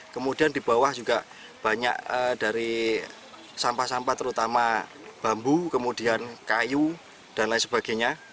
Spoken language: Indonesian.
kemudian di bawah juga banyak dari sampah sampah terutama bambu kemudian kayu dan lain sebagainya